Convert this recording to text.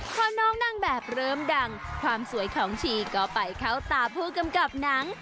พอน้องนางแบบเริ่มดังความสวยของชีก็ไปเข้าตาผู้กำกับหนัง